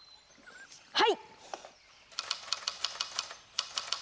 はい！